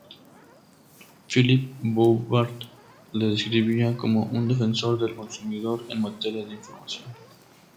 Philippe Bouvard le describía como "un defensor del consumidor en materia de información".